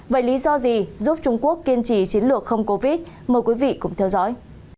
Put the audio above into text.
vậy lý do gì giúp trung quốc kiên trì chiến lược không covid mời quý vị cùng theo dõi